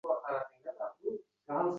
Elkasiga boshimni qo`yib, yana yig`ladim